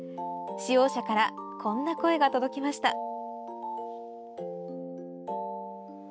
使用者からこんな声が届きました。